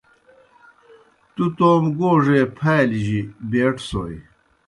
تُوْ توموْ گوڙے پھالیْ جیْ بیٹوْسوئے۔